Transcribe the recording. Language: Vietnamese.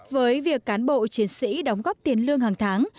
với việc cán bộ chiến sĩ đóng góp tiền lương hàng tháng